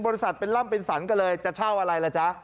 บริษัทเป็นร่ำเป็นสรรกันเลยจะเช่าอะไรล่ะจ๊ะ